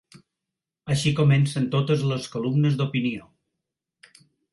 Així comencen totes les columnes d'opinió.